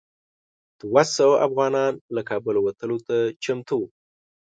دوه سوه افغانان له کابله وتلو ته چمتو وو.